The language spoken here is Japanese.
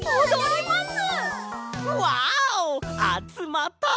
わおあつまった！